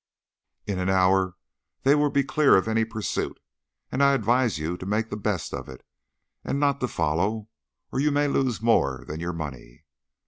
"In an hour they will be clear of any pursuit, and I advise you to make the best of it, and not to follow, or you may lose more than your money.